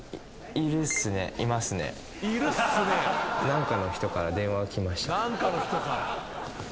何かの人から電話がきました。